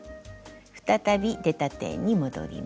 再び出た点に戻ります。